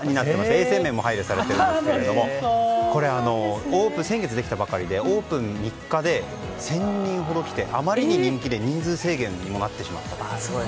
衛生面も配慮されているんですが先月できたばかりでオープン３日で１０００人ほど来てあまりに人気で人数制限になってしまったと。